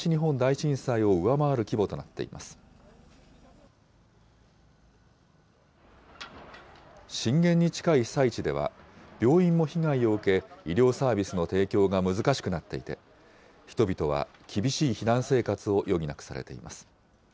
震源に近い被災地では、病院も被害を受け、医療サービスの提供が難しくなっていて、人々は厳しい避難生活を余儀なくされています。